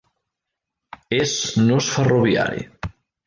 És nus ferroviari.